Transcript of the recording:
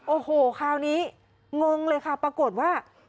โอ้โหคราวนี้งงเลยค่ะปรากฏว่า